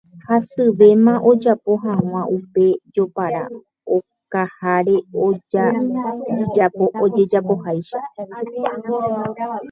hasyvéma ojapo hag̃ua upe jopara okaháre ojajapoháicha